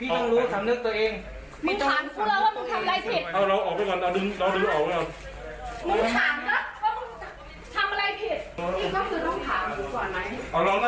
ไม่ต้องจะขยับ